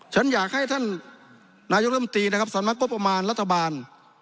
ฉันอยากให้ท่านนายกรรมตรีนะครับสำนักงบประมาณรัฐบาล